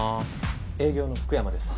営業の福山です。